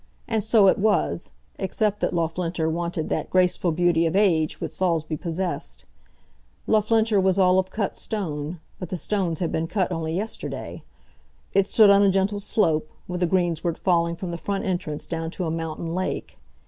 And so it was, except that Loughlinter wanted that graceful beauty of age which Saulsby possessed. Loughlinter was all of cut stone, but the stones had been cut only yesterday. It stood on a gentle slope, with a greensward falling from the front entrance down to a mountain lake.